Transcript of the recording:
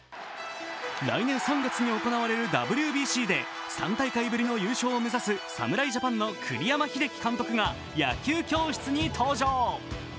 来年３月に行われるＷＢＣで３大会ぶりの優勝を目指す侍ジャパンの栗山英樹監督が野球教室に登場。